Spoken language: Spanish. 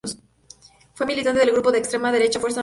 Fue militante del grupo de extrema derecha Fuerza Nueva.